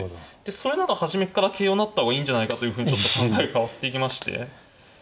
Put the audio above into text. それなら初めっから桂を成った方がいいんじゃないかというふうにちょっと考えが変わっていきまして。